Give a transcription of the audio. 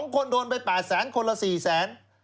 ๒คนโดนไป๘แสนคนละ๔แสน